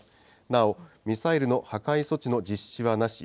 なお、ミサイルの破壊措置の実施はなし。